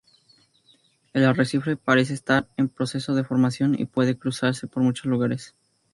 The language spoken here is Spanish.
El arrecife parece estar en proceso de formación y puede cruzarse por muchos lugares.